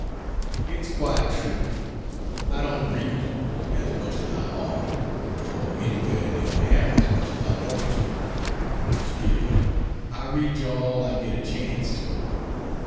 It's quite true I don't read you "as much as I ought," nor anywhere near half as much as I want to; still I read you all I get a chance to.